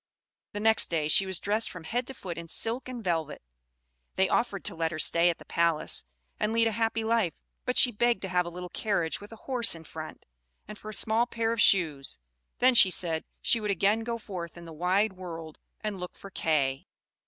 The next day she was dressed from head to foot in silk and velvet. They offered to let her stay at the palace, and lead a happy life; but she begged to have a little carriage with a horse in front, and for a small pair of shoes; then, she said, she would again go forth in the wide world and look for Kay.